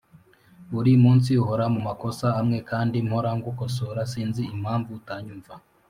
Buri munsi uhora mumakosa amwe kandi mpora ngukosora sinzi impamvu utanyumva